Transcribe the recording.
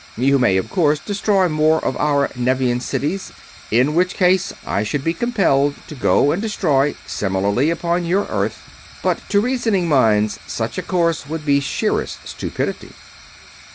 You may, of course, destroy more of our Nevian cities, in which case I should be compelled to go and destroy similarly upon your Earth; but, to reasoning minds, such a course would be sheerest stupidity."